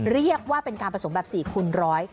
เรียกว่าเป็นการผสมแบบ๔คูณร้อย